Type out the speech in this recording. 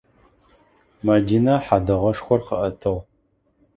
Мэдинэ хьэдэгъэшхор къыӏэтыгъ.